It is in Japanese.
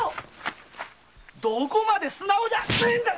どこまで素直じゃねえんだ！